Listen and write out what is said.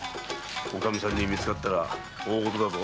おかみさんに見つかったら大事だぞ。